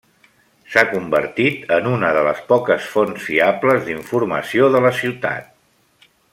S'ha convertit en una de les poques fonts fiables d'informació de la ciutat.